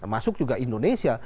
masuk juga indonesia